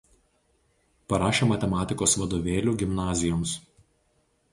Parašė matematikos vadovėlių gimnazijoms.